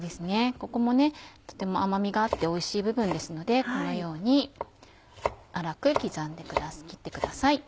ここもとても甘みがあっておいしい部分ですのでこのように粗く刻んで切ってください。